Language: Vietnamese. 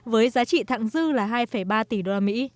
với giá trị thẳng dư là hai ba tỷ usd